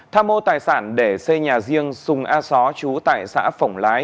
tham mô tài sản để xây nhà riêng sùng a só chú tại xã phổng lái